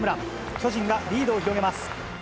巨人がリードを広げます。